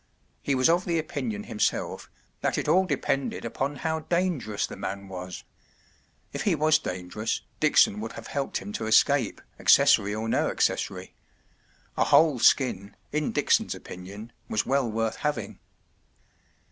He was of the opinion himself that it all depended upon how dangerous the man was. If he was dangerous, Dickson would have helped him to escape, accessory or no accessory. A whole skin, in Dickson’s opinion, was well worth having.